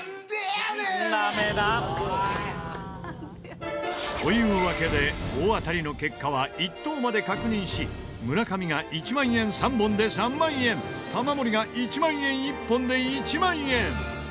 ダメだ。というわけで大当たりの結果は１等まで確認し村上が１万円３本で３万円玉森が１万円１本で１万円。